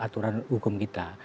aturan hukum kita